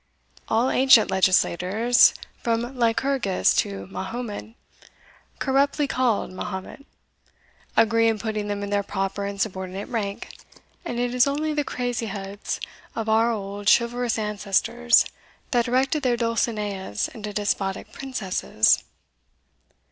All ancient legislators, from Lycurgus to Mahommed, corruptly called Mahomet, agree in putting them in their proper and subordinate rank, and it is only the crazy heads of our old chivalrous ancestors that erected their Dulcineas into despotic princesses."